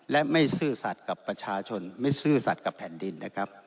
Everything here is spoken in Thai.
และไม่ซื่อสัตว์กับประชาชนไม่ซื่อสัตว์กับแผ่นดินนะครับ